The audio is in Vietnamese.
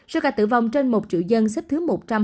số ca tử vong trên một triệu dân xếp thứ một trăm hai mươi tám